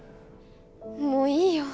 もういいよ。